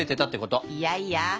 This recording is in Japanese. いやいや。